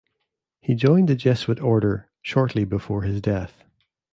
He joined the Jesuit order shortly before his death.